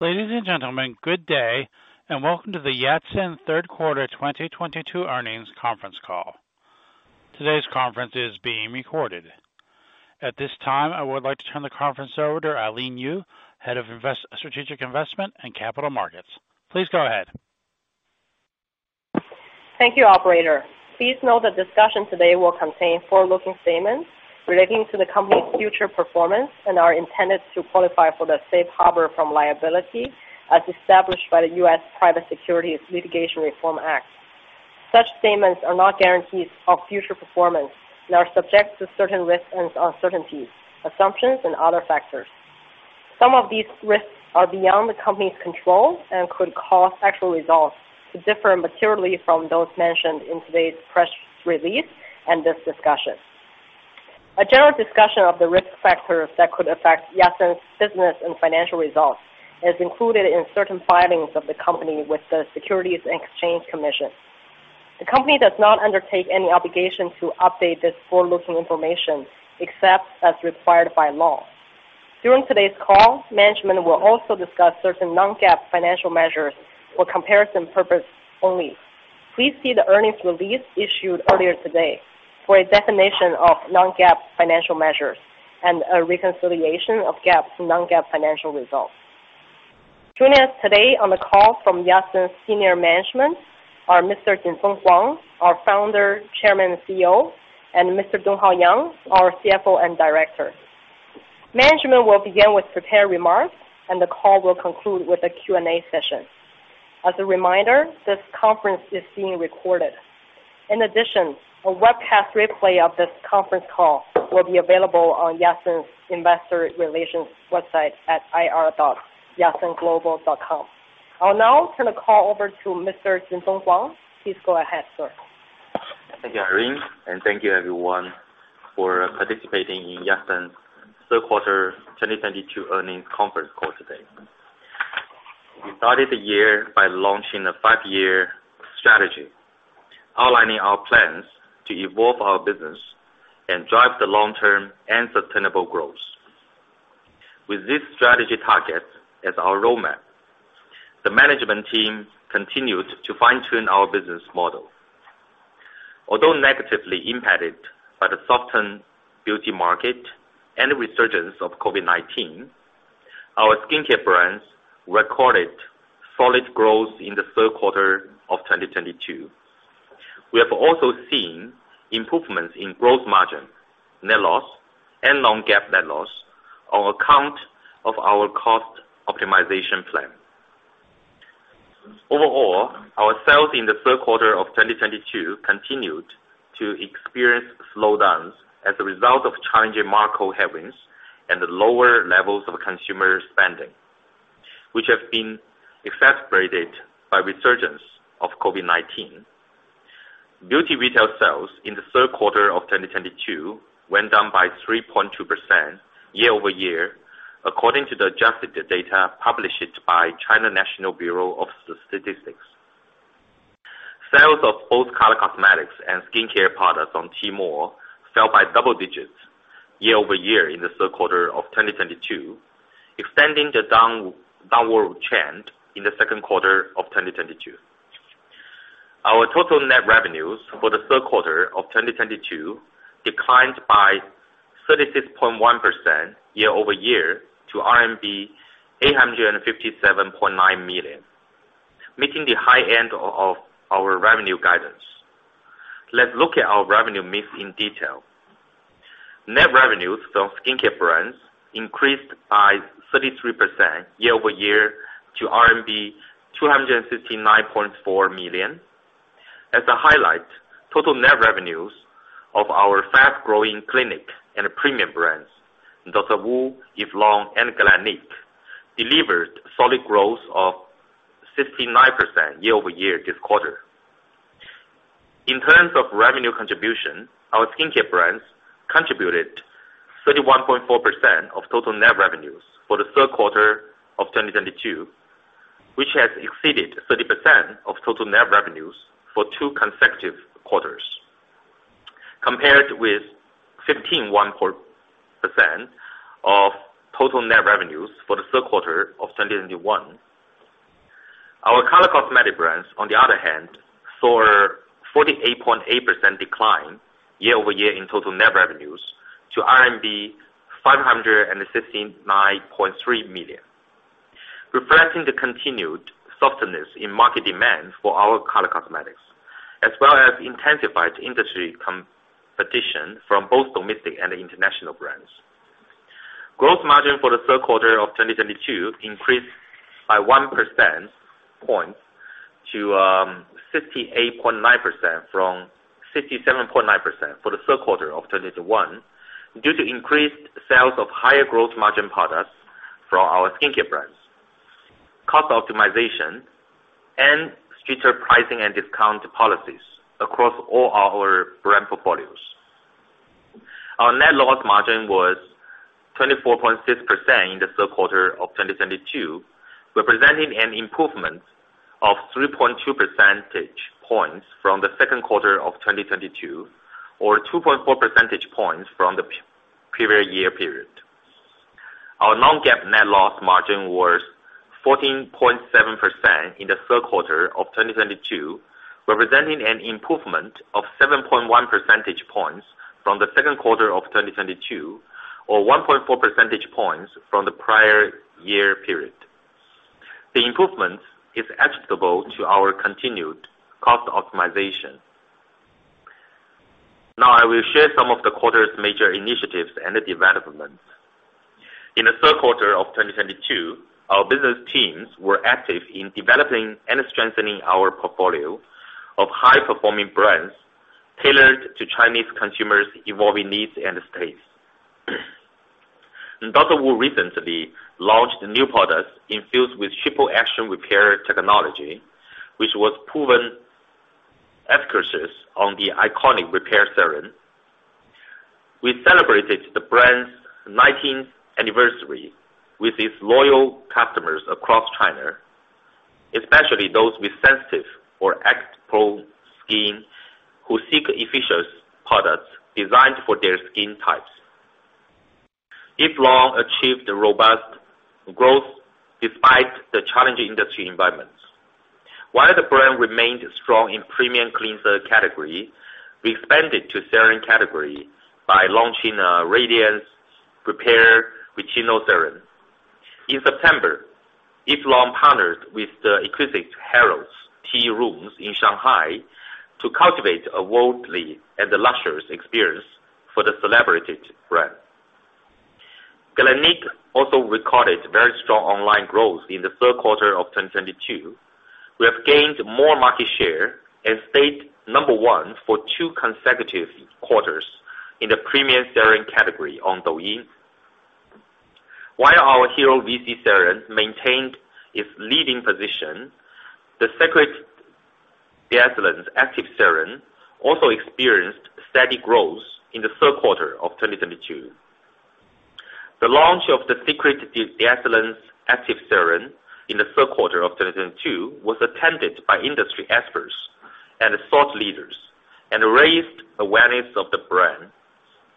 Ladies and gentlemen, good day, welcome to the Yatsen third quarter 2022 earnings conference call. Today's conference is being recorded. At this time, I would like to turn the conference over to Irene Lyu, Head of Strategic Investment and Capital Markets. Please go ahead. Thank you, operator. Please note that discussion today will contain forward-looking statements relating to the company's future performance and are intended to qualify for the safe harbor from liability as established by the U.S. Private Securities Litigation Reform Act. Such statements are not guarantees of future performance and are subject to certain risks and uncertainties, assumptions and other factors. Some of these risks are beyond the company's control and could cause actual results to differ materially from those mentioned in today's press release and this discussion. A general discussion of the risk factors that could affect Yatsen's business and financial results is included in certain filings of the company with the Securities and Exchange Commission. The company does not undertake any obligation to update this forward-looking information except as required by law. During today's call, management will also discuss certain non-GAAP financial measures for comparison purpose only. Please see the earnings release issued earlier today for a definition of non-GAAP financial measures and a reconciliation of GAAP to non-GAAP financial results. Joining us today on the call from Yatsen senior management are Mr. Jinfeng Huang, our Founder, Chairman, CEO, and Mr. Donghao Yang, our CFO and Director. Management will begin with prepared remarks and the call will conclude with a Q&A session. As a reminder, this conference is being recorded. A webcast replay of this conference call will be available on Yatsen's investor relations website at ir.yatsenglobal.com. I'll now turn the call over to Mr. Jinfeng Huang. Please go ahead, sir. Thank you, Irene, and thank you everyone for participating in Yatsen's third quarter 2022 earnings conference call today. We started the year by launching a five-year strategy, outlining our plans to evolve our business and drive long-term and sustainable growth. With this strategy target as our roadmap, the management team continued to fine-tune our business model. Although negatively impacted by the softened beauty market and the resurgence of COVID-19, our skincare brands recorded solid growth in the third quarter of 2022. We have also seen improvements in gross margin, net loss and non-GAAP net loss on account of our cost optimization plan. Overall, our sales in the third quarter of 2022 continued to experience slowdowns as a result of challenging macro headings and the lower levels of consumer spending, which have been exacerbated by resurgence of COVID-19. Beauty retail sales in the third quarter of 2022 went down by 3.2% year-over-year according to the adjusted data published by China National Bureau of Statistics. Sales of both color cosmetics and skincare products on Tmall fell by double digits year-over-year in the third quarter of 2022, extending the downward trend in the second quarter of 2022. Our total net revenues for the third quarter of 2022 declined by 36.1% year-over-year to RMB 857.9 million, meeting the high end of our revenue guidance. Let's look at our revenue mix in detail. Net revenues from skincare brands increased by 33% year-over-year to RMB 259.4 million. As a highlight, total net revenues of our fast-growing clinic and premium brands, Dr. WU, Eve Lom and Galénic, delivered solid growth of 59% year-over-year this quarter. In terms of revenue contribution, our skincare brands contributed 31.4% of total net revenues for the third quarter of 2022, which has exceeded 30% of total net revenues for two consecutive quarters, compared with 15.1% of total net revenues for the third quarter of 2021. Our color cosmetic brands, on the other hand, saw a 48.8% decline year-over-year in total net revenues to RMB 569.3 million, reflecting the continued softness in market demand for our color cosmetics, as well as intensified industry competition from both domestic and international brands. Gross margin for the third quarter of 2022 increased by 1 percent points to 68.9% from 67.9% for the third quarter of 2021 due to increased sales of higher growth margin products from our skincare brands, cost optimization and stricter pricing and discount policies across all our brand portfolios. Our net loss margin was 24.6% in the third quarter of 2022, representing an improvement of 3.2 percentage points from the second quarter of 2022, or 2.4 percentage points from the previous year period. Our non-GAAP net loss margin was 14.7% in the third quarter of 2022, representing an improvement of 7.1 percentage points from the second quarter of 2022, or 1.4 percentage points from the prior year period. The improvement is attributable to our continued cost optimization. Now I will share some of the quarter's major initiatives and the developments. In the third quarter of 2022, our business teams were active in developing and strengthening our portfolio of high-performing brands tailored to Chinese consumers evolving needs and tastes. DR. WU recently launched new products infused with Triple Action Repair technology, which was proven efficacious on the iconic repair serum. We celebrated the brand's 19th anniversary with its loyal customers across China, especially those with sensitive or eczema-prone skin who seek efficient products designed for their Eve Lom achieved a robust growth despite the challenging industry environments. While the brand remained strong in premium cleanser category, we expanded to serum category by launching a Radiance Repair Retinol Serum. Eve Lom partnered with The Harrods Tea Rooms in Shanghai to cultivate a worldly and luxurious experience for the celebrated brand. Galénic also recorded very strong online growth in the third quarter of 2022. We have gained more market share and stayed number one for two consecutive quarters in the premium serum category on Douyin. While our hero VC serum maintained its leading position, the Secret D'Excellence active serum also experienced steady growth in the third quarter of 2022. The launch of the Secret D'Excellence active serum in the third quarter of 2022 was attended by industry experts and thought leaders, and raised awareness of the brand,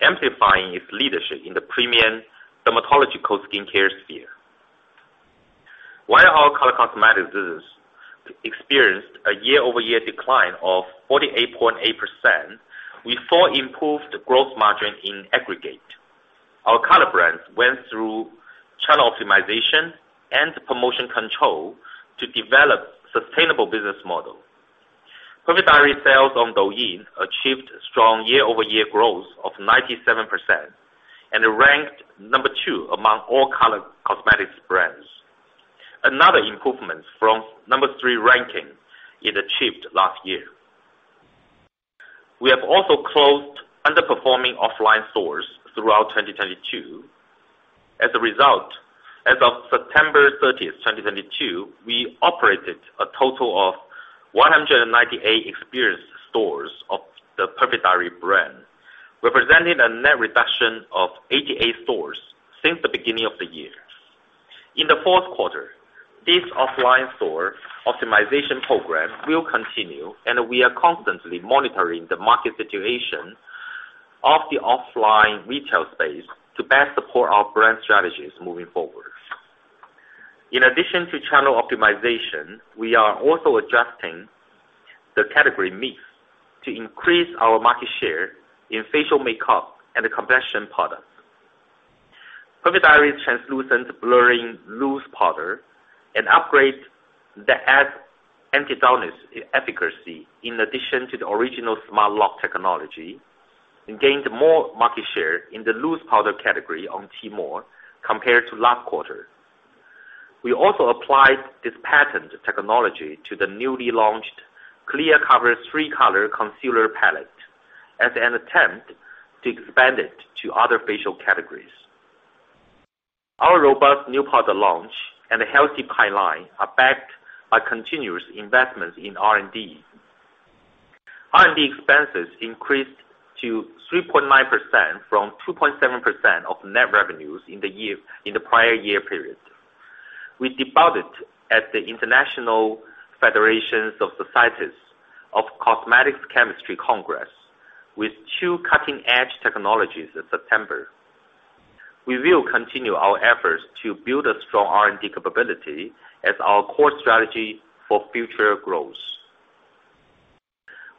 amplifying its leadership in the premium dermatological skincare sphere. While our color cosmetics business experienced a year-over-year decline of 48.8%, we saw improved growth margin in aggregate. Our color brands went through channel optimization and promotion control to develop sustainable business model. Perfect Diary sales on Douyin achieved strong year-over-year growth of 97%, and it ranked number two among all color cosmetics brands. Another improvement from number three ranking it achieved last year. We have also closed underperforming offline stores throughout 2022. As a result, as of September 30th, 2022, we operated a total of 198 experience stores of the Perfect Diary brand, representing a net reduction of 88 stores since the beginning of the year. In the fourth quarter, this offline store optimization program will continue, and we are constantly monitoring the market situation of the offline retail space to best support our brand strategies moving forward. In addition to channel optimization, we are also adjusting the category mix to increase our market share in facial makeup and complexion products. Perfect Diary's Translucent Blurring Loose Powder, an upgrade that adds antioxidant efficacy in addition to the original Smart Lock technology, gained more market share in the loose powder category on Tmall compared to last quarter. We also applied this patent technology to the newly launched Clear Cover 3-Color Concealer Palette as an attempt to expand it to other facial categories. Our robust new product launch and healthy pipeline are backed by continuous investments in R&D. R&D expenses increased to 3.9% from 2.7% of net revenues in the prior year period. We debuted at the International Federation of Societies of Cosmetic Chemists Congress with two cutting-edge technologies in September. We will continue our efforts to build a strong R&D capability as our core strategy for future growth.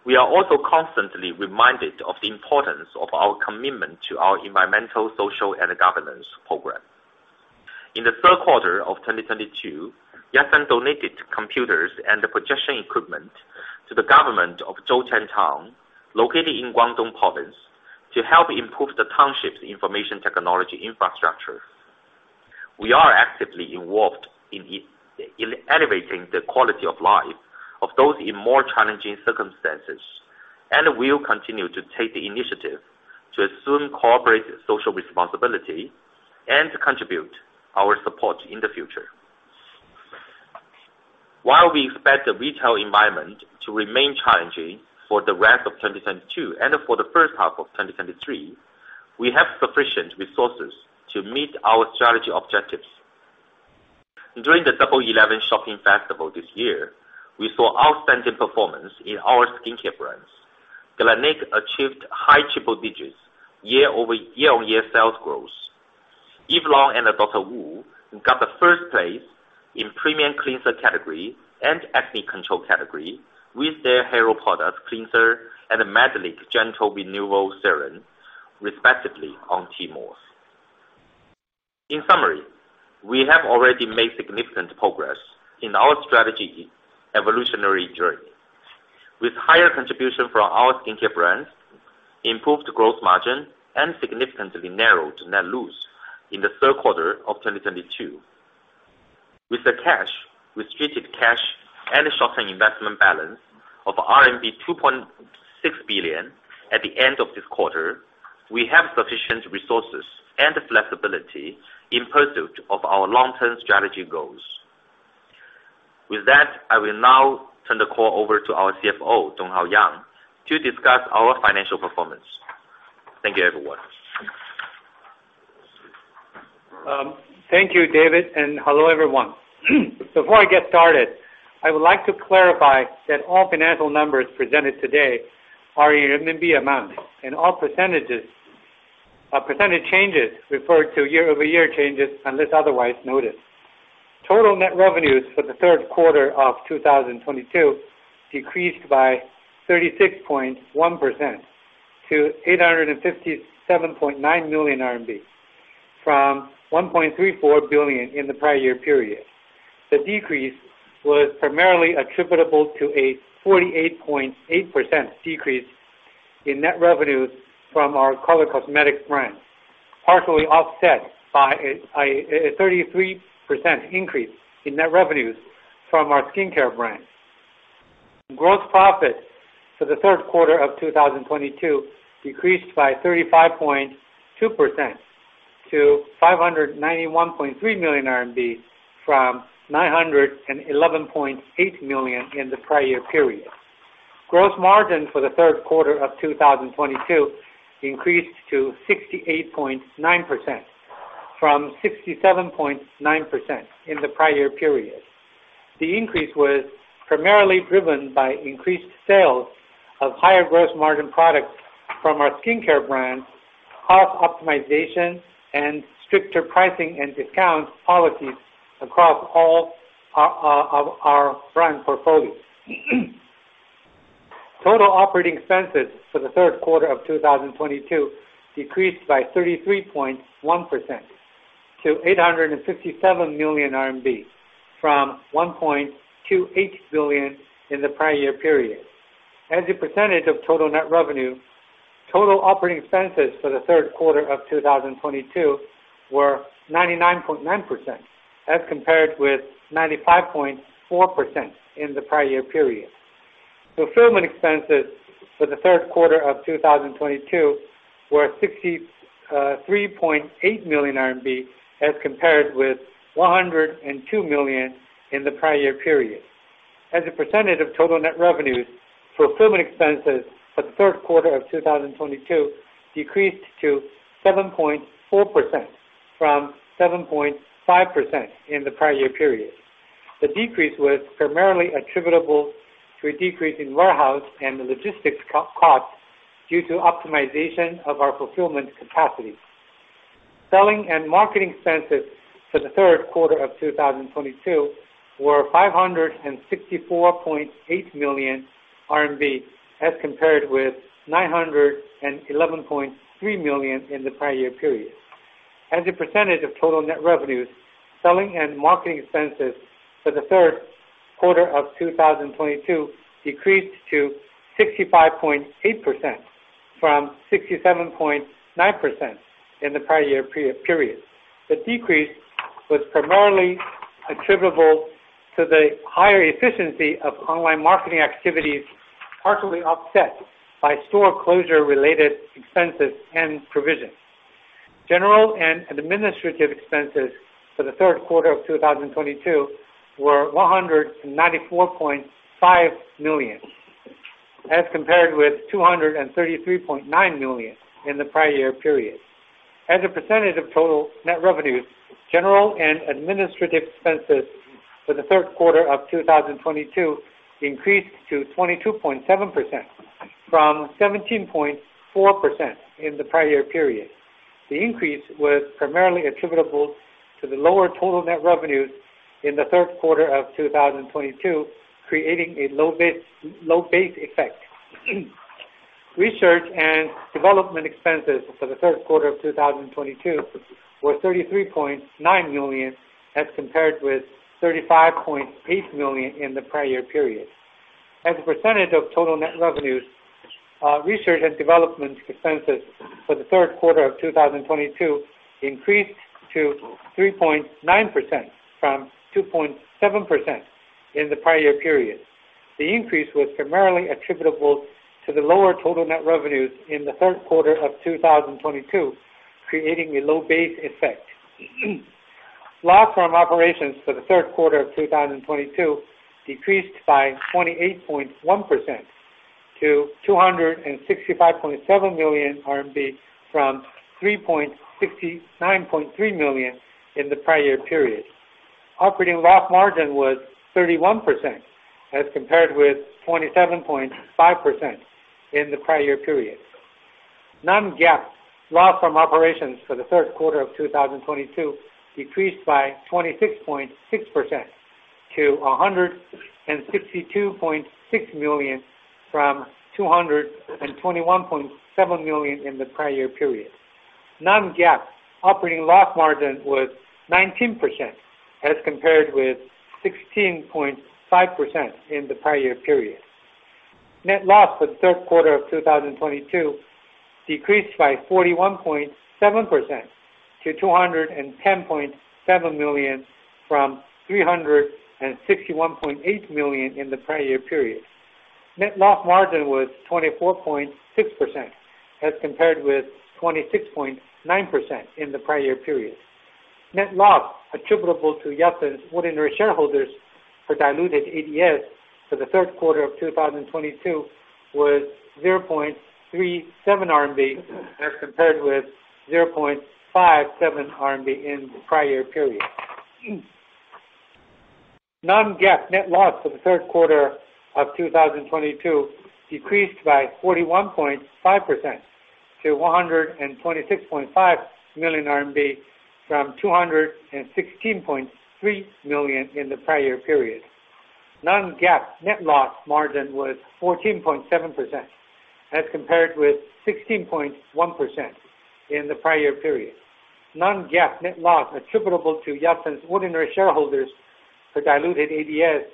We are also constantly reminded of the importance of our commitment to our environmental, social, and governance program. In the third quarter of 2022, Yatsen donated computers and projection equipment to the government of Zhongshan town, located in Guangdong Province, to help improve the township's information technology infrastructure. We are actively involved in elevating the quality of life of those in more challenging circumstances, and we will continue to take the initiative to assume corporate social responsibility and contribute our support in the future. While we expect the retail environment to remain challenging for the rest of 2022 and for the first half of 2023, we have sufficient resources to meet our strategy objectives. During the 11.11 Shopping Festival this year, we saw outstanding performance in our skincare brands. Galénic achieved high triple digits year-over-year sales growth. Eve Lom and DR. WU got the first place in premium cleanser category and acne control category with their hero products, cleanser and Mandelik Gentle Renewal Serum, respectively, on Tmall. In summary, we have already made significant progress in our strategy evolutionary journey. With higher contribution from our skincare brands, improved gross margin, and significantly narrowed net loss in the third quarter of 2022. With the cash, restricted cash, and short-term investment balance of RMB 2.6 billion at the end of this quarter, we have sufficient resources and flexibility in pursuit of our long-term strategy goals. With that, I will now turn the call over to our CFO, Donghao Yang, to discuss our financial performance. Thank you, everyone. Thank you, David, hello, everyone. Before I get started, I would like to clarify that all financial numbers presented today are in RMB amount, all percentage changes refer to year-over-year changes unless otherwise noted. Total net revenues for the third quarter of 2022 decreased by 36.1% to 857.9 million RMB, from 1.34 billion in the prior year period. The decrease was primarily attributable to a 48.8% decrease in net revenues from our color cosmetics brand, partially offset by a 33% increase in net revenues from our skincare brand. Gross profit for the third quarter of 2022 decreased by 35.2% to 591.3 million RMB from 911.8 million in the prior year period. Gross margin for the third quarter of 2022 increased to 68.9% from 67.9% in the prior year period. The increase was primarily driven by increased sales of higher gross margin products from our skincare brands, cost optimization, and stricter pricing and discount policies across all of our brand portfolios. Total operating expenses for the third quarter of 2022 decreased by 33.1% to 857 million RMB from 1.28 billion in the prior year period. As a percentage of total net revenue, total operating expenses for the third quarter of 2022 were 99.9% as compared with 95.4% in the prior year period. Fulfillment expenses for the third quarter of 2022 were 63.8 million RMB as compared with 102 million in the prior year period. As a percentage of total net revenues, fulfillment expenses for the third quarter of 2022 decreased to 7.4% from 7.5% in the prior year period. The decrease was primarily attributable to a decrease in warehouse and logistics co-cost due to optimization of our fulfillment capacity. Selling and marketing expenses for the third quarter of 2022 were 564.8 million RMB as compared with 911.3 million in the prior year period. As a percentage of total net revenues, selling and marketing expenses for the third quarter of 2022 decreased to 65.8% from 67.9% in the prior year period. The decrease was primarily attributable to the higher efficiency of online marketing activities, partially offset by store closure related expenses and provisions. General and administrative expenses for the third quarter of 2022 were 194.5 million as compared with 233.9 million in the prior year period. As a percentage of total net revenues, general and administrative expenses for the third quarter of 2022 increased to 22.7% from 17.4% in the prior year period. The increase was primarily attributable to the lower total net revenues in the third quarter of 2022, creating a low base effect. Research and development expenses for the third quarter of 2022 were 33.9 million as compared with 35.8 million in the prior year period. As a percentage of total net revenues, research and development expenses for the third quarter of 2022 increased to 3.9% from 2.7% in the prior year period. The increase was primarily attributable to the lower total net revenues in the third quarter of 2022, creating a low base effect. Loss from operations for the third quarter of 2022 decreased by 28.1% to 265.7 million from 369.3 million in the prior period. Operating loss margin was 31% as compared with 27.5% in the prior period. Non-GAAP loss from operations for the third quarter of 2022 decreased by 26.6% to RMB 162.6 million from RMB 221.7 million in the prior period. Non-GAAP operating loss margin was 19% as compared with 16.5% in the prior period. Net loss for the third quarter of 2022 decreased by 41.7% to 210.7 million from 361.8 million in the prior period. Net loss margin was 24.6% as compared with 26.9% in the prior period. Net loss attributable to Yatsen's ordinary shareholders for diluted ADS for the third quarter of 2022 was 0.37 RMB as compared with 0.57 RMB in the prior period. non-GAAP net loss for the third quarter of 2022 decreased by 41.5% to 126.5 million RMB from 216.3 million in the prior period. Non-GAAP net loss margin was 14.7% as compared with 16.1% in the prior period. Non-GAAP net loss attributable to Yatsen's ordinary shareholders for diluted ADS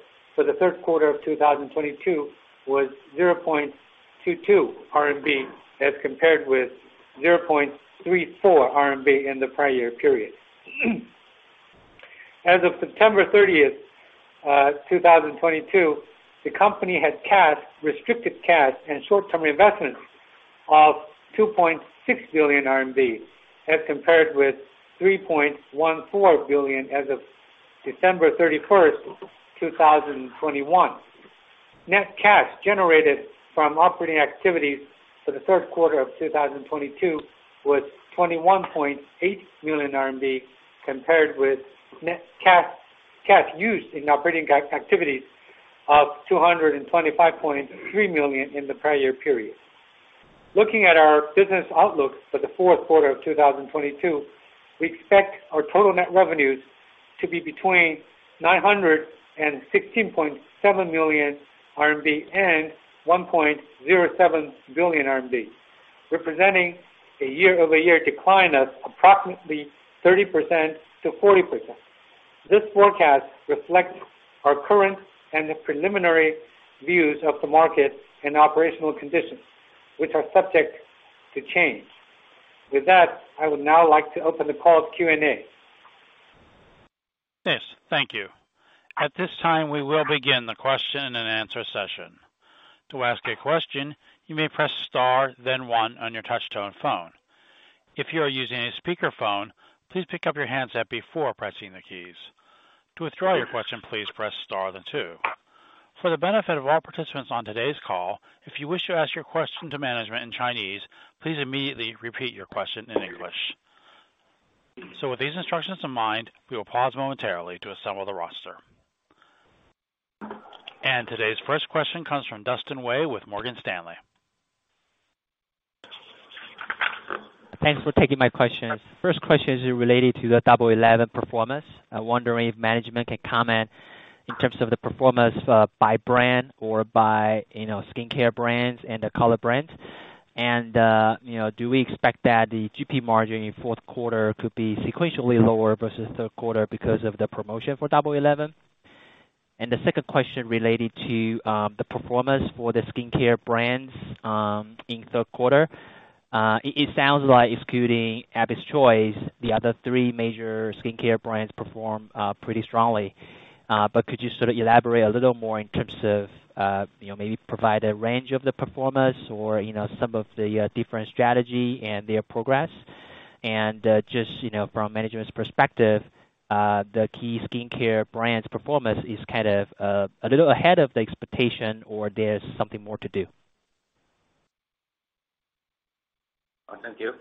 for the third quarter of 2022 was 0.22 RMB as compared with 0.34 RMB in the prior period. As of September 30th, 2022, the company had cash, restricted cash and short-term investments of 2.6 billion RMB as compared with 3.14 billion as of December 31st, 2021. Net cash generated from operating activities for the third quarter of 2022 was 21.8 million RMB compared with net cash used in operating activities of 225.3 million in the prior period. Looking at our business outlook for the fourth quarter of 2022, we expect our total net revenues to be between 916.7 million RMB and 1.07 billion RMB, representing a year-over-year decline of approximately 30%-40%. This forecast reflects our current and the preliminary views of the market and operational conditions, which are subject to change. With that, I would now like to open the call to Q&A. Yes, thank you. At this time, we will begin the question and answer session. To ask a question, you may press star then one on your touch tone phone. If you are using a speaker phone, please pick up your handset before pressing the keys. To withdraw your question, please press star then two. For the benefit of all participants on today's call, if you wish to ask your question to management in Chinese, please immediately repeat your question in English. With these instructions in mind, we will pause momentarily to assemble the roster. Today's first question comes from Dustin Wei with Morgan Stanley. Thanks for taking my questions. First question is related to the 11.11 performance. I'm wondering if management can comment in terms of the performance by brand or by, you know, skincare brands and the color brands. Do we expect that the GP margin in fourth quarter could be sequentially lower versus third quarter because of the promotion for 11.11? The second question related to the performance for the skincare brands in third quarter. It sounds like excluding Abby's Choice, the other three major skincare brands perform pretty strongly. Could you sort of elaborate a little more in terms of, you know, maybe provide a range of the performance or, you know, some of the different strategy and their progress? Just, you know, from management's perspective, the key skincare brands performance is kind of a little ahead of the expectation or there's something more to do? Thank you.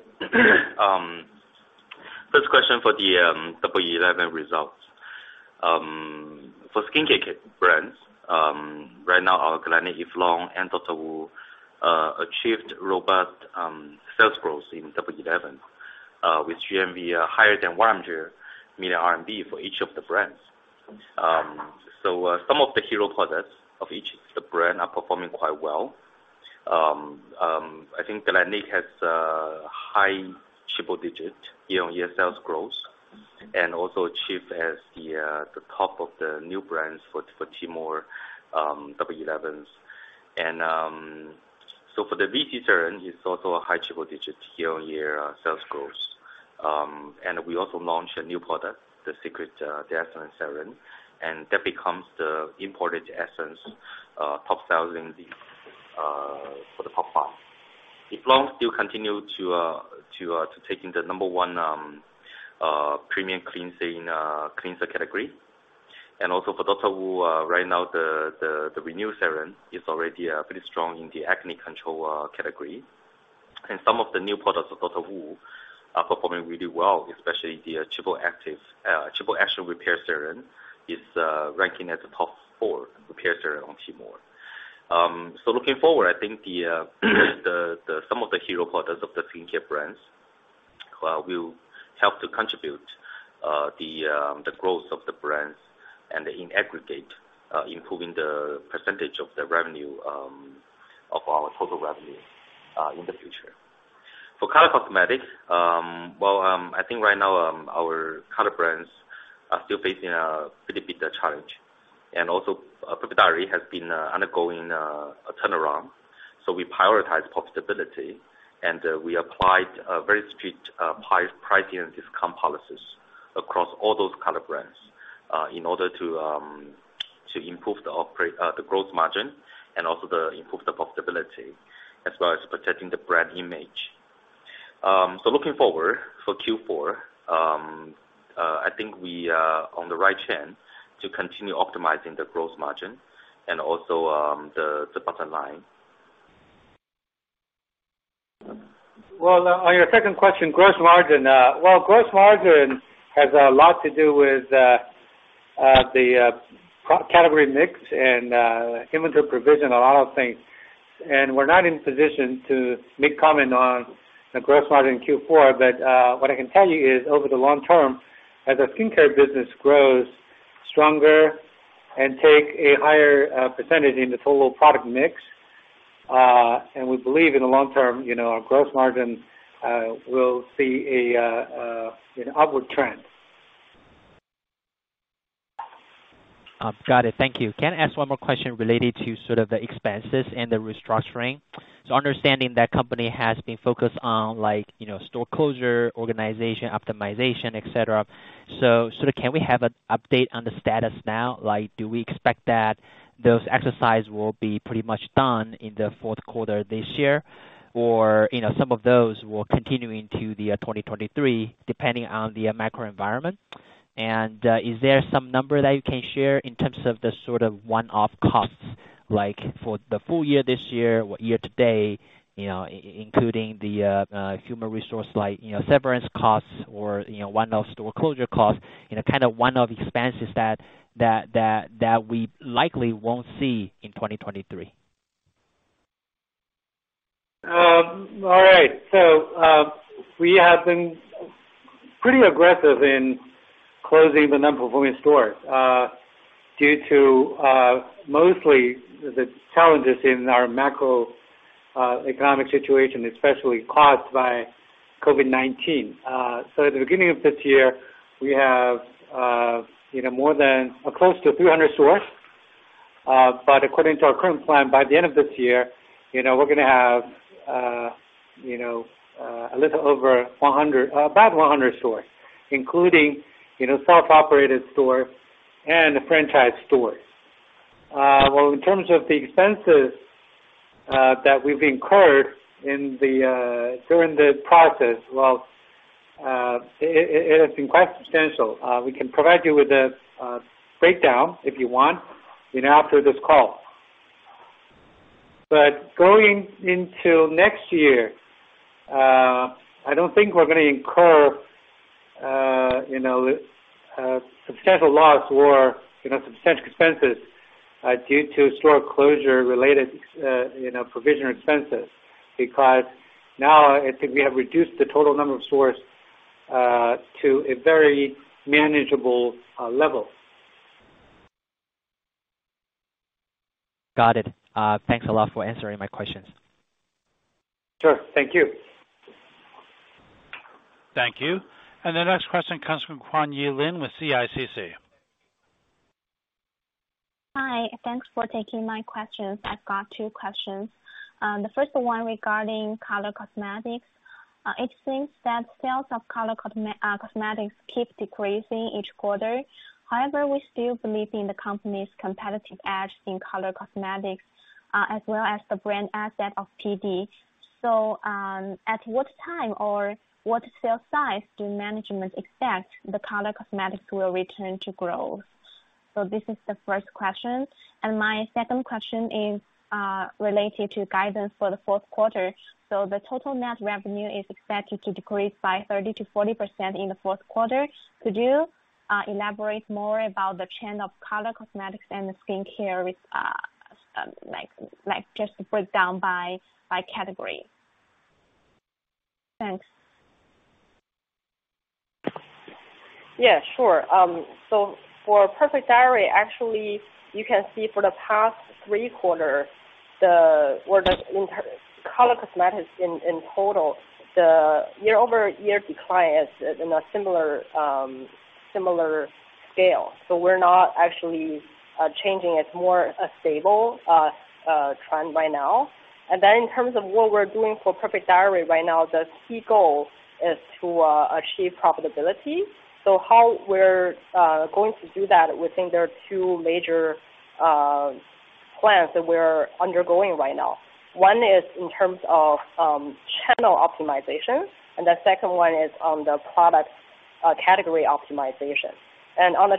First question for the 11.11 results. For skincare brands, right now our Galénic, Eve Lom and Dr. Wu achieved robust sales growth in 11.11 with GMV higher than 100 million RMB for each of the brands. Some of the hero products of each of the brand are performing quite well. I think Galénic has high triple digit year-on-year sales growth and also achieved as the top of the new brands for Tmall 11.11s. For the VC serum is also a high triple digit year-on-year sales growth. We also launched a new product, the Secret Essence Serum, and that becomes the imported essence top-selling for the top five. Eve Lom still continue to taking the number one premium cleansing cleanser category. Also for DR. WU, right now, the Renewal Serum is already pretty strong in the acne control category. Some of the new products of DR. WU are performing really well, especially the Triple Action Repairing Serum is ranking as a top four repair serum on Tmall. Looking forward, I think the some of the hero products of the skin care brands will help to contribute the growth of the brands and in aggregate improving the percentage of the revenue of our total revenue in the future. For color cosmetics, well, I think right now, our color brands are still facing a pretty big challenge. Also, Perfect Diary has been undergoing a turnaround. We prioritize profitability, and we applied a very strict pricing and discount policies across all those color brands, in order to improve the growth margin and also improve the profitability, as well as protecting the brand image. Looking forward for Q4, I think we are on the right trend to continue optimizing the growth margin and also the bottom line. Well, on your second question, gross margin. Well, gross margin has a lot to do with the category mix and inventory provision, a lot of things. We're not in position to make comment on the gross margin in Q4. What I can tell you is, over the long term, as our skincare business grows stronger and take a higher percentage in the total product mix, we believe in the long term, you know, our gross margin will see an upward trend. Got it. Thank you. Can I ask one more question related to sort of the expenses and the restructuring? Understanding that company has been focused on like, you know, store closure, organization optimization, et cetera. Sort of can we have an update on the status now? Like, do we expect that those exercise will be pretty much done in the fourth quarter this year? You know, some of those will continue into the 2023, depending on the macro environment. Is there some number that you can share in terms of the sort of one-off costs, like for the full year this year to date, you know, including the human resource, like, you know, severance costs or, you know, one-off store closure costs, you know, kind of one-off expenses that we likely won't see in 2023? All right. We have been pretty aggressive in closing the non-performing stores, due to mostly the challenges in our macroeconomic situation, especially caused by COVID-19. At the beginning of this year, we have, you know, more than close to 300 stores. According to our current plan, by the end of this year, you know, we're gonna have, you know, about 100 stores, including, you know, self-operated stores and the franchise stores. Well, in terms of the expenses that we've incurred in the during the process. Well, it has been quite substantial. We can provide you with the breakdown if you want, you know, after this call. Going into next year, I don't think we're gonna incur, you know, substantial loss or, you know, substantial expenses, due to store closure related, you know, provision expenses. Now I think we have reduced the total number of stores to a very manageable level. Got it. Thanks a lot for answering my questions. Sure. Thank you. Thank you. The next question comes from Huanyi Lin with CICC. Hi. Thanks for taking my questions. I've got two questions. The first one regarding color cosmetics. It seems that sales of color cosmetics keep decreasing each quarter. However, we still believe in the company's competitive edge in color cosmetics, as well as the brand asset of PD. At what time or what sales size do management expect the color cosmetics will return to growth? This is the first question. My second question is related to guidance for the fourth quarter. The total net revenue is expected to decrease by 30%-40% in the fourth quarter. Could you elaborate more about the trend of color cosmetics and the skincare with just break down by category? Thanks. Yeah, sure. For Perfect Diary, actually, you can see for the past three quarter, the color cosmetics in total, the year-over-year decline is in a similar similar scale. We're not actually changing. It's more a stable trend by now. In terms of what we're doing for Perfect Diary right now, the key goal is to achieve profitability. How we're going to do that, we think there are two major plans that we're undergoing right now. One is in terms of channel optimization, and the second one is on the product category optimization. On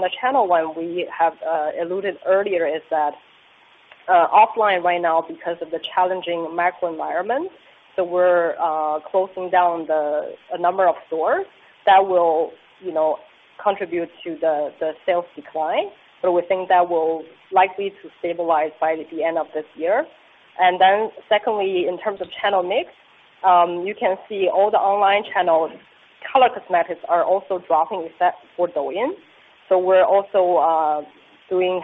the channel one, we have alluded earlier is that offline right now because of the challenging macro environment. We're closing down the, a number of stores that will, you know, contribute to the sales decline, but we think that will likely to stabilize by the end of this year. Secondly, in terms of channel mix, you can see all the online channel color cosmetics are also dropping except for Douyin. We're also investing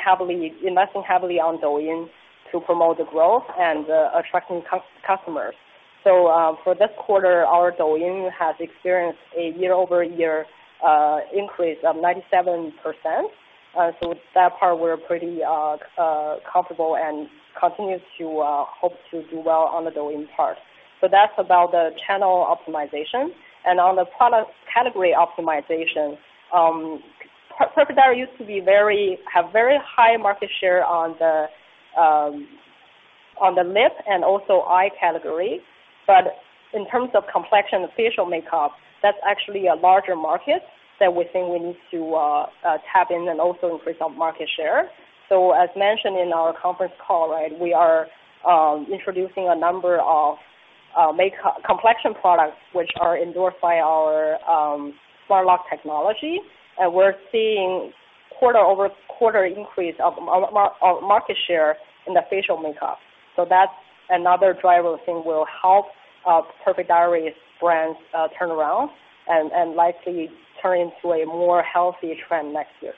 heavily on Douyin to promote the growth and attracting customers. For this quarter, our Douyin has experienced a year-over-year increase of 97%. That part we're pretty comfortable and continues to hope to do well on the Douyin part. That's about the channel optimization. On the product category optimization, Perfect Diary used to have very high market share on the lip and also eye category. In terms of complexion facial makeup, that's actually a larger market that we think we need to tap in and also increase our market share. As mentioned in our conference call, right, we are introducing a number of complexion products which are endorsed by our Smart Lock technology. We're seeing quarter-over-quarter increase of market share in the facial makeup. That's another driver we think will help Perfect Diary's brands turn around and likely turn into a more healthy trend next year.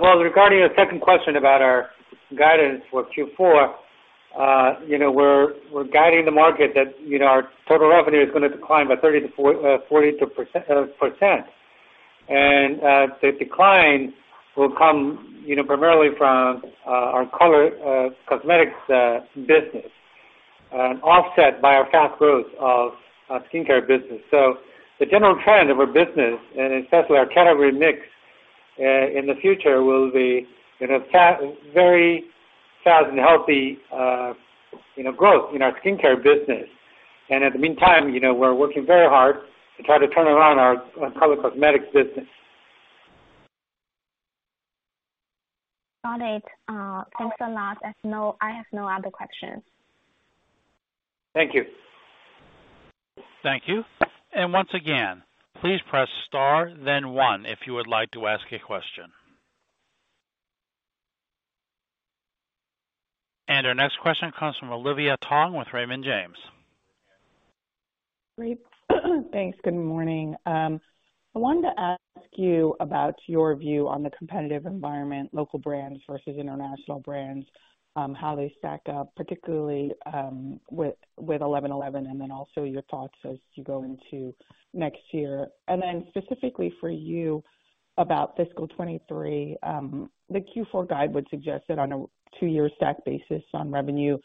Well, regarding the second question about our guidance for Q4, you know, we're guiding the market that, you know, our total revenue is gonna decline by 40%. The decline will come, you know, primarily from our color cosmetics business, offset by our fast growth of our skincare business. The general trend of our business, and especially our category mix, in the future will be, you know, very fast and healthy growth in our skincare business. In the meantime, you know, we're working very hard to try to turn around our color cosmetics business. Got it. Thanks a lot. I have no other questions. Thank you. Thank you. Once again, please press star then one if you would like to ask a question. Our next question comes from Olivia Tong with Raymond James. Great. Thanks. Good morning. I wanted to ask you about your view on the competitive environment, local brands versus international brands, how they stack up, particularly with Eleven Eleven, and then also your thoughts as you go into next year. Specifically for you about fiscal 2023, the Q4 guide would suggest that on a two-year stack basis on revenue,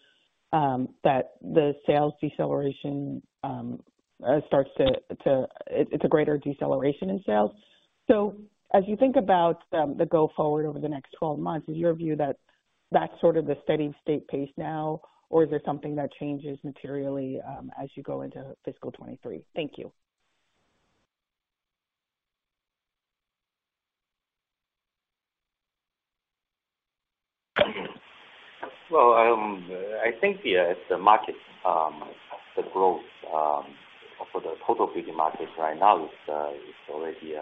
that the sales deceleration starts to. It's a greater deceleration in sales. As you think about the go forward over the next 12 months, is your view that that's sort of the steady-state pace now, or is there something that changes materially as you go into fiscal 2023? Thank you. I think the market, the growth for the total beauty market right now is already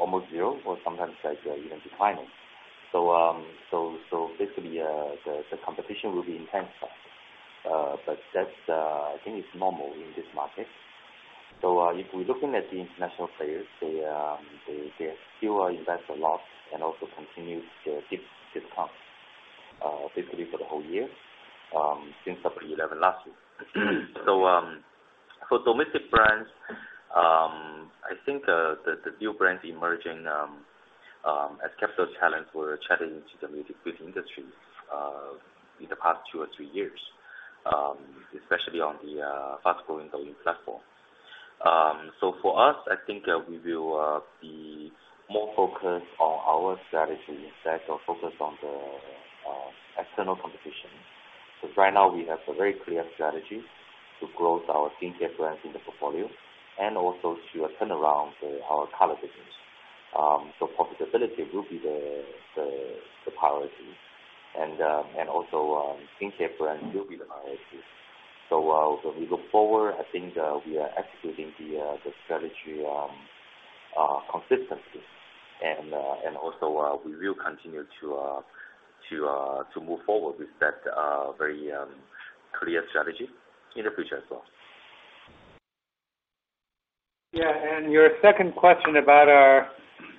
almost zero or sometimes even declining. Basically, the competition will be intense. That's I think it's normal in this market. If we're looking at the international players, they still invest a lot and also continue to give discounts basically for the whole year since 11.11 last year. For domestic brands, I think the new brands emerging has kept those challenge for the beauty industry in the past two or three years, especially on the fast-growing Douyin platform. For us, I think, we will be more focused on our strategy instead of focused on the external competition. Right now we have a very clear strategy to grow our skincare brands in the portfolio and also to turn around our color business. Profitability will be the priority. Skincare brand will be the priority. When we look forward, I think, we are executing the strategy consistently. We will continue to move forward with that very clear strategy in the future as well. Your second question about our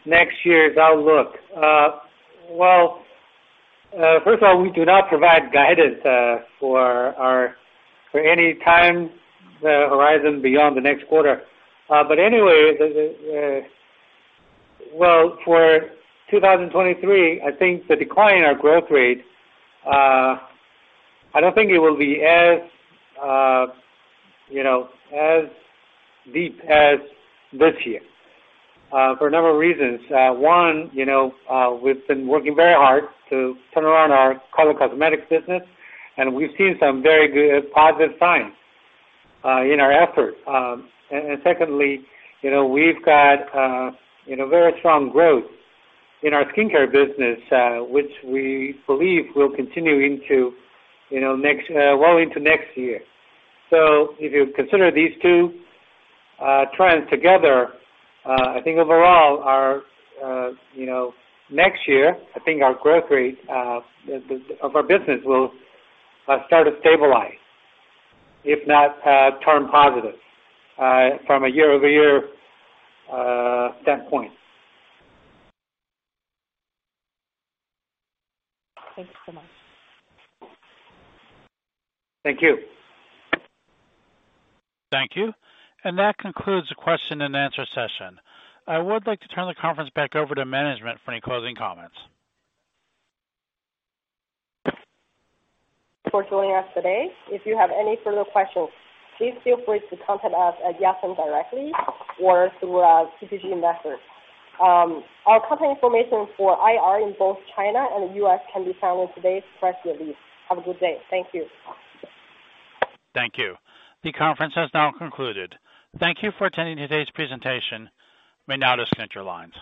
next year's outlook. Well, first of all, we do not provide guidance for our, for any time horizon beyond the next quarter. Anyway, Well, for 2023, I think the decline in our growth rate, I don't think it will be as, you know, as deep as this year, for a number of reasons. One, you know, we've been working very hard to turn around our color cosmetics business, and we've seen some very good positive signs, in our efforts. Secondly, you know, we've got, you know, very strong growth in our skincare business, which we believe will continue into, you know, next, well into next year. If you consider these two trends together, I think overall our, you know, next year, I think our growth rate of our business will start to stabilize, if not turn positive, from a year-over-year standpoint. Thank you so much. Thank you. Thank you. That concludes the question and answer session. I would like to turn the conference back over to management for any closing comments. For joining us today. If you have any further questions, please feel free to contact us at Yatsen directly or through TPG Investors. Our company information for IR in both China and the U.S. can be found in today's press release. Have a good day. Thank you. Thank you. The conference has now concluded. Thank you for attending today's presentation. You may now disconnect your lines.